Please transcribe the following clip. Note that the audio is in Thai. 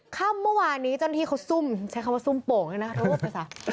ค่ำเมื่อวานนี้จนทีเขาซุ่มใช้คำว่าซุ่มโป่งนะรูปภาษา